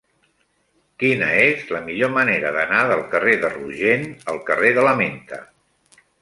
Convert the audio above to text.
Quina és la millor manera d'anar del carrer de Rogent al carrer de la Menta?